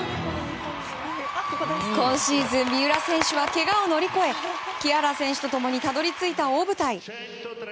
今シーズン三浦選手はけがを乗り越え木原選手と共にたどり着いた大舞台。